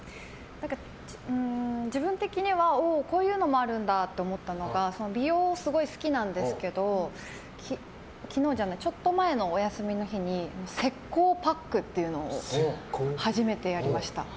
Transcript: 自分的には、こういうのもあるんだって思ったのが美容がすごい好きなんですけどちょっと前のお休みの日に石膏パックっていうのを初めてやりました。